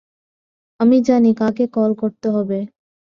আমি জানি কাকে কল করতে হবে।